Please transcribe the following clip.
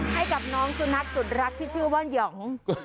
ให้กับน้องสุนัขสุดรักที่ชื่อว่าหยอง